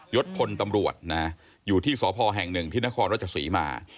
ศพลตำรวจนะอยู่ที่สพแห่งหนึ่งที่นครรัชศรีมา